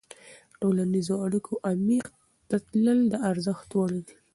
د ټولنیزو اړیکو عمیق ته تلل د ارزښت وړ دي.